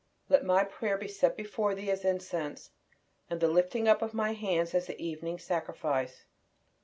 "LET MY PRAYER BE SET FORTH BEFORE THEE AS INCENSE: AND THE LIFTING UP OF MY HANDS AS THE EVENING SACRIFICE."